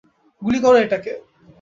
গুলি করো এটাকে।